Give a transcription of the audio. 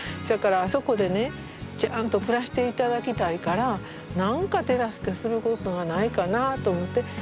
そやからあそこでねちゃんと暮らしていただきたいから何か手助けすることがないかなあと思って。